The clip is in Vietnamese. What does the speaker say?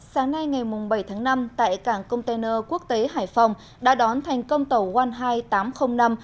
sáng nay ngày bảy tháng năm tại cảng container quốc tế hải phòng đã đón thành công tàu one hai tám trăm linh năm